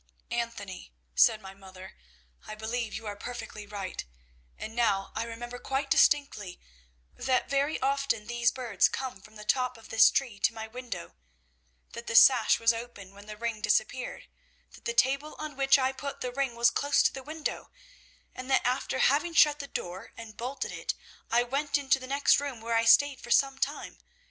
"'Anthony,' said my mother, 'I believe you are perfectly right, and now I remember quite distinctly that very often these birds came from the top of this tree to my window, that the sash was open when the ring disappeared, that the table on which I put the ring was close to the window, and that, after having shut the door and bolted it, I went into the next room, where I stayed for some time.